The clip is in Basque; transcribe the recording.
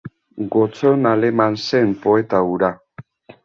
Gotzon Aleman zen poeta hura.